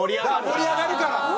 盛り上がるから？